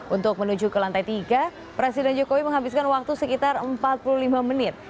untuk menuju ke lantai tiga presiden jokowi menghabiskan waktu sekitar empat puluh lima menit